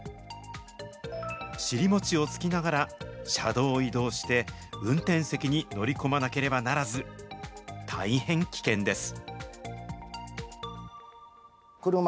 尻餅をつきながら車道を移動して、運転席に乗り込まなければならず、大変危険です。